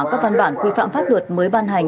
các văn bản quy phạm pháp luật mới ban hành